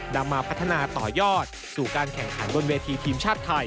นำมาพัฒนาต่อยอดสู่การแข่งขันบนเวทีทีมชาติไทย